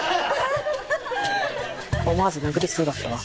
思わず殴りそうだったわ。